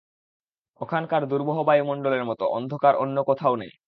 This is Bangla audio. ওখানকার দুর্বহ বায়ুমণ্ডলের মতো অন্ধকার অন্য কোথাও নেই।